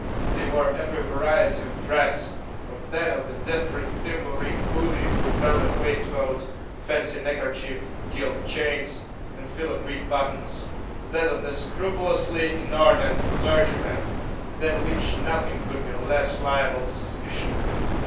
They wore every variety of dress, from that of the desperate thimble rig bully, with velvet waistcoat, fancy neckerchief, gilt chains, and filagreed buttons, to that of the scrupulously inornate clergyman, than which nothing could be less liable to suspicion.